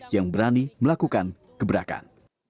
yang berani melakukan gebrakan